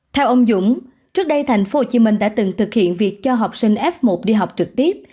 theo ông dũng trước đây tp hcm đã từng thực hiện việc cho học sinh f một đi học trực tiếp